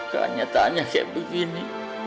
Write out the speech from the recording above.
keanetanya kayak begini